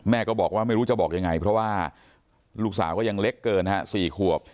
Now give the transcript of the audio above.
ก็บอกว่าไม่รู้จะบอกยังไงเพราะว่าลูกสาวก็ยังเล็กเกิน๔ขวบ